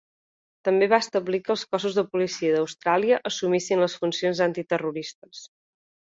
També va establir que els cossos de policia d'Austràlia assumissin les funcions antiterroristes.